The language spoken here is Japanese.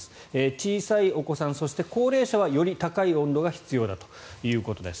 小さいお子さん、そして高齢者はより高い温度が必要だということです。